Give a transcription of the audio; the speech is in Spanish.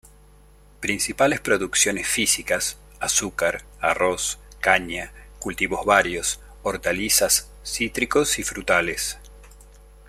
Principales producciones físicas: Azúcar, arroz, caña, cultivos varios, hortalizas cítricos y frutales.